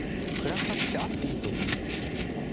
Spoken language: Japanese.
暗さってあっていいと思うんですよね。